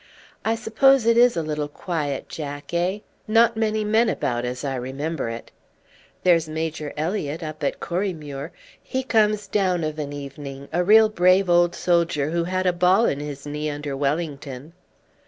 "I suppose it is a little quiet, Jack, eh? Not many men about, as I remember it." "There is Major Elliott, up at Corriemuir. He comes down of an evening, a real brave old soldier who had a ball in his knee under Wellington."